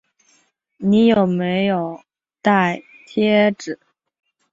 你有没有带贴纸